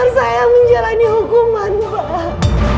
biar saya menjalani hukuman pak